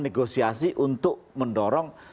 negosiasi untuk mendorong